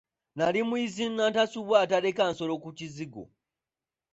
Nali muyizzi nnantasubwa ataleka nsolo ku kizigo.